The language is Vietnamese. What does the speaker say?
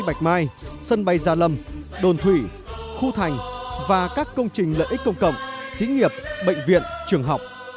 bạch mai sân bay gia lâm đồn thủy khu thành và các công trình lợi ích công cộng xí nghiệp bệnh viện trường học